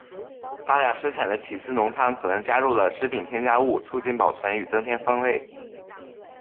大量生产的起司浓汤可能加入了食品添加物促进保存与增添风味。